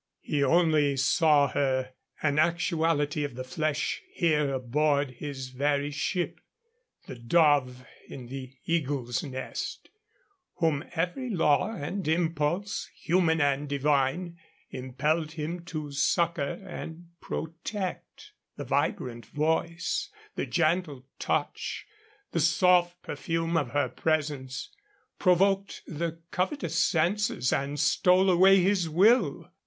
He only saw her an actuality of the flesh here aboard his very ship the dove in the eagle's nest, whom every law and impulse, human and divine, impelled him to succor and protect. The vibrant voice, the gentle touch, the soft perfume of her presence provoked the covetous senses and stole away his will.